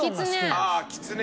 ああきつね。